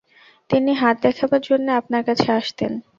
তিনি হাত দেখাবার জন্যে আপনার কাছে আসতেন?